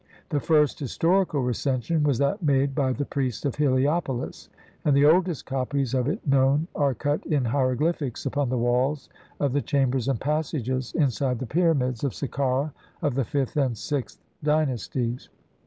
The first historical Recension was that made by the priests of Heliopolis, and the oldest copies of it known are cut in hieroglyphics upon the walls of the chambers and passages inside the Pyramids of Sakkara of the fifth and sixth dynasties.